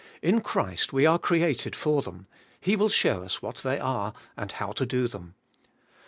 In Christ we are created for them: He will show us what they are, and how to do them.